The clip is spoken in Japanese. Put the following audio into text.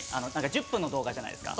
１０分の動画じゃないですか。